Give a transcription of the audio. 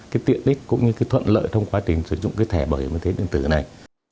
cái tiện đích cũng như cái thuận lợi trong quá trình sử dụng cái thẻ bảo hiểm y tế điện tử này